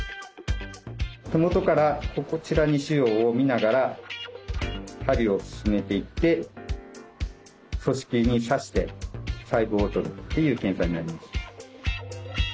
手元からこちらに腫瘍をみながら針を進めていって組織に刺して細胞を採るっていう検査になります。